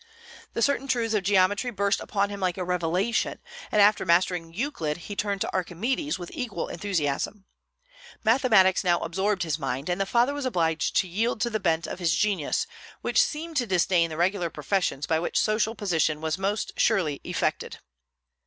The certain truths of geometry burst upon him like a revelation, and after mastering Euclid he turned to Archimedes with equal enthusiasm. Mathematics now absorbed his mind, and the father was obliged to yield to the bent of his genius, which seemed to disdain the regular professions by which social position was most surely effected.